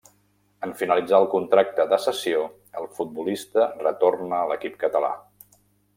En finalitzar el contracte de cessió, el futbolista retorna a l'equip català.